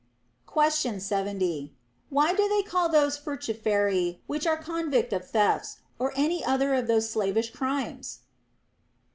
Question 70. Why do they call those Furciferi which are convict of thefts or any other of those slavish crimes